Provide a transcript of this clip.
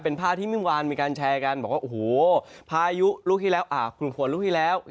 เป็นภาพที่เมื่อวานการแชร์กันบอกว่าว้าได้ภายุลูกที่นแรกกัน